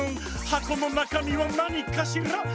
「はこのなかみはなにかしら？」